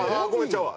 ちゃうわ。